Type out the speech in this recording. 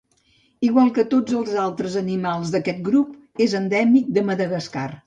Igual que tots els altres animals d'aquest grup, és endèmic de Madagascar.